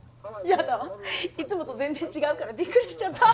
やだわいつもと全然違うからびっくりしちゃった。